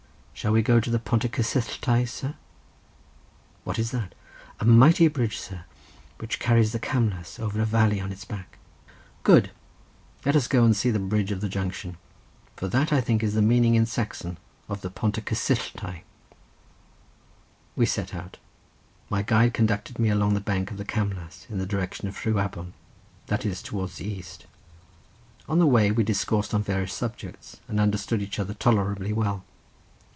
"Shall we go to the Pont y Cyssylltau, sir?" "What is that?" "A mighty bridge, sir, which carries the Camlas over a valley on its back." "Good! let us go and see the bridge of the junction, for that I think is the meaning in Saxon of Pont y Cyssylltau." We set out; my guide conducted me along the bank of the Camlas in the direction of Rhiwabon, that is towards the east. On the way we discoursed on various subjects, and understood each other tolerably well.